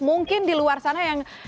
mungkin di luar sana yang